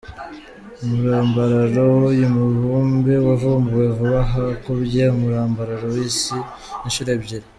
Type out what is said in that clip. Umurambararo w’uyu mubumbe wavumbuwe vuba aha, ukubye umurambararo w’Isi inshuro ebyiri.